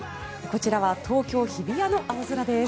こちらは東京・日比谷の青空です。